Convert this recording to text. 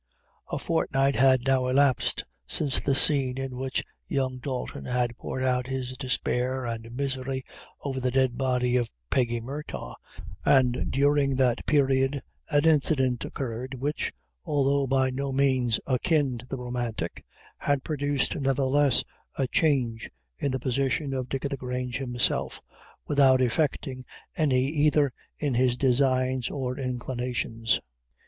A fortnight had now elapsed since the scene in which young Dalton had poured out his despair and misery over the dead body of Peggy Murtagh, and during that period an incident occurred, which, although by no means akin to the romantic, had produced, nevertheless, a change in the position of Dick o' the Grange himself, without effecting any either in his designs or inclinations.